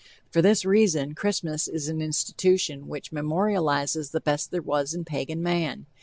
For this reason Christmas is an institution which memorializes the best there was in Pagan man.